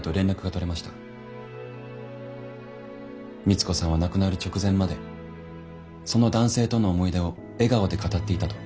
光子さんは亡くなる直前までその男性との思い出を笑顔で語っていたと。